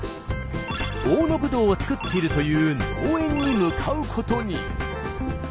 大野ぶどうを作っているという農園に向かうことに。